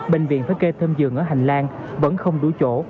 bệnh viện phái kê thêm giường ở hành lan vẫn không đủ chỗ